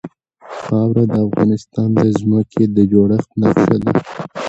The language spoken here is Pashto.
خاوره د افغانستان د ځمکې د جوړښت نښه ده.